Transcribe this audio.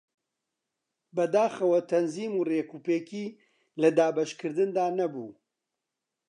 بەداخەوە تەنزیم و ڕێکوپێکی لە دابەشکردندا نەبوو